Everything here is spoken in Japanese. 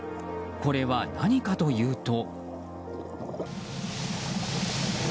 これは何かというと。